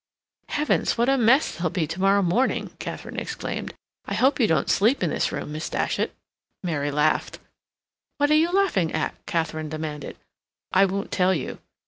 "Heavens, what a mess there'll be to morrow morning!" Katharine exclaimed. "I hope you don't sleep in this room, Miss Datchet?" Mary laughed. "What are you laughing at?" Katharine demanded. "I won't tell you."